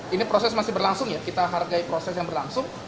ini proses masih berlangsung ya kita hargai proses yang berlangsung